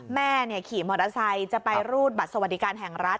แม่ขี่มอเตอร์ไซค์จะไปรูดบัตรสวัสดิการแห่งรัฐ